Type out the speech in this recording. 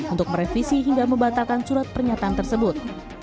untuk merevisi hingga membatalkan surat pernyataan tersebut